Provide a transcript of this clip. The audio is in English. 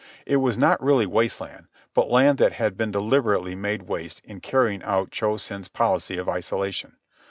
It was not really waste land, but land that had been deliberately made waste in carrying out Cho Sen's policy of isolation.